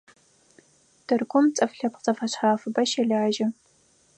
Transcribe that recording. Тыркум цӀыф лъэпкъ зэфэшъхьафыбэ щэлажьэ.